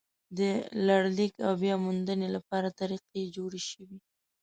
د لړلیک او بیا موندنې لپاره طریقې جوړې شوې.